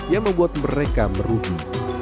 yang membuat mereka merugi